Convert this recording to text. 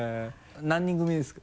何人組ですか？